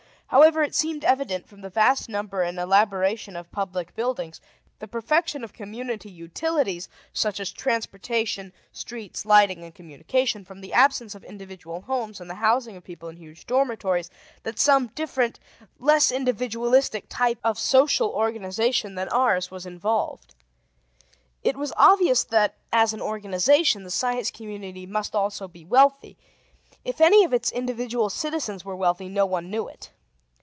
However, it seemed evident from the vast number and elaboration of public buildings, the perfection of community utilities such as transportation, streets, lighting, and communication, from the absence of individual homes and the housing of people in huge dormitories, that some different, less individualistic type of social organization than ours was involved. It was obvious that as an organization, the Science Community must also be wealthy. If any of its individual citizens were wealthy, no one knew it.